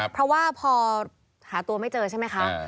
เพราะว่าพอหาตัวไม่เจอใช่ไหมคะ